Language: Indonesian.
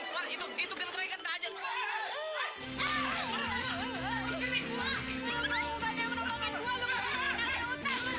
mau lompat lompat tidak terserah kaget ngapa